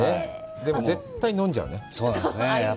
でも、絶対飲んじゃうね。